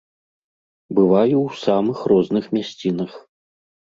Бываю ў самых розных мясцінах.